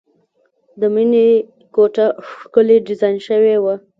د مینې کوټه ښکلې ډیزاین شوې وه